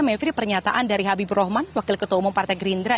mevri pernyataan dari habibur rahman wakil ketua umum partai gerindra